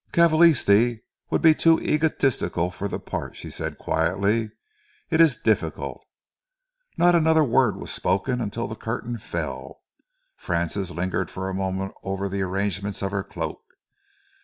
"Cavalisti would be too egotistical for the part," she said quietly. "It is difficult." Not another word was spoken until the curtain fell. Francis lingered for a moment over the arrangement of her cloak.